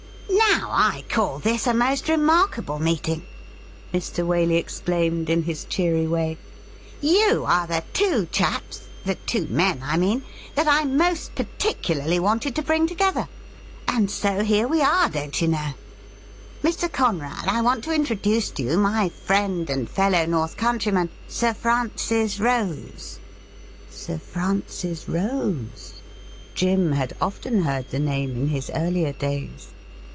' Now, I call this a most remarkable meeting !' Mr. Waley SIR FRANCIS ROSE 133 exclaimed, in his cheery way. ' You are the two chaps — the two men, I mean — ^that I most particularly wanted to bring together. And so here we are, don't you know. Mr. Conrad, I want to introduce to you my friend and fellow North Country man, Sir Francis Rose.' Sir Francis Rose ! Jim had often heard the name in his earlier days.